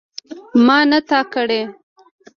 ما نه تا کړی.